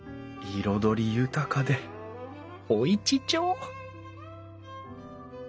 彩り豊かでおいちちょう！